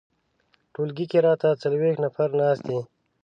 ټولګي کې راته څلویښت نفر ناست دي.